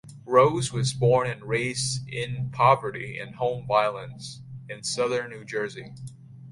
Rose was born and raised in poverty and home violence in Southern New Jersey.